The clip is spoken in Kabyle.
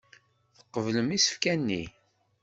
Tqeblem isefka-nni.